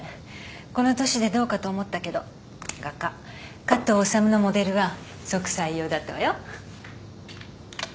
この年でどうかと思ったけど画家加藤修のモデルは即採用だったわよ。